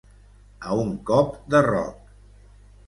A un cop de roc.